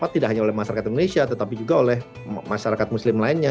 tidak hanya oleh masyarakat indonesia tetapi juga oleh masyarakat muslim lainnya